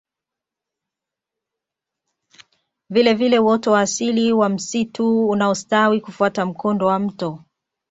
Vile vile uoto wa asili wa msitu unaostawi kufuata mkondo wa mto